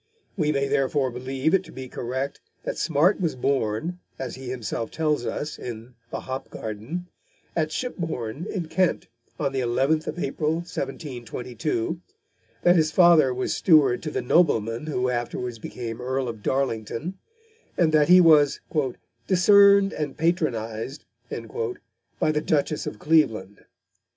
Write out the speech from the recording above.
We may therefore believe it to be correct that Smart was born (as he himself tells us, in The Hop Garden) at Shipbourne, in Kent, on the 11th of April 1722, that his father was steward to the nobleman who afterwards became Earl of Darlington, and that he was "discerned and patronised" by the Duchess of Cleveland.